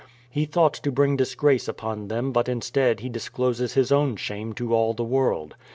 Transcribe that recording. He thought to bring disgrace upon them but instead he dis closes his own shame to all the world.